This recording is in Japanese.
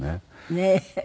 ねえ。